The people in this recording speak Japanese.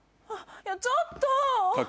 あっちょっと！